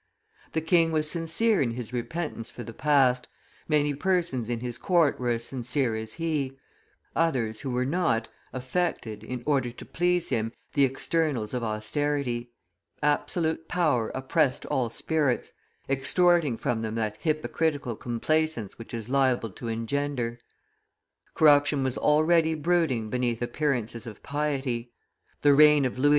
The king was sincere in his repentance for the past, many persons in his court were as sincere as he; others, who were not, affected, in order to please him, the externals of austerity; absolute power oppressed all spirits, extorting from them that hypocritical complaisance which is liable to engender; corruption was already brooding beneath appearances of piety; the reign of Louis XV.